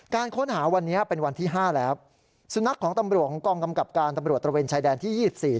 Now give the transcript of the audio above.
การค้นหาวันนี้เป็นวันที่๕แล้วสุนัขของตำรวจของกองกำกับการตำรวจตระเวนชายแดนที่๒๔